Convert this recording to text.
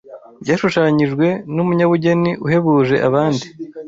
byashushanyijwe n’Umunyabugeni uhebuje abandi